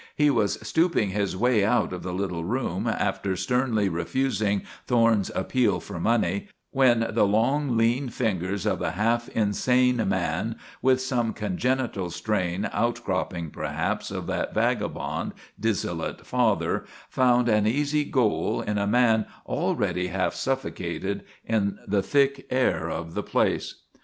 He was stooping his way out of the little room after sternly refusing Thorne's appeal for money, when the long, lean fingers of the half insane man, with some congenital strain outcropping perhaps of that vagabond, dissolute father, found an easy goal in a man already half suffocated in the thick air of the place.